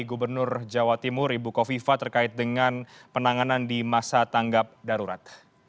gubernur jawa timur ibu kofifa terkait dengan penanganan di masa tanggap darurat